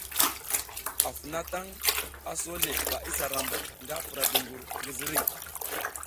Afounatang, aso le ɓa isa ram nga pura dungur ngi ziriy.